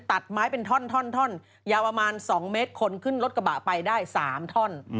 ตัดไม้เป็นท่อนยาวประมาณ๒เมตรคนขึ้นรถกระบะไปได้๓ท่อน